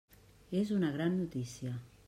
És una gran notícia.